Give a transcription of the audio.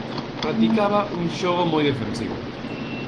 Practicaba un xogo moi defensivo.